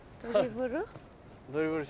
ドリブル？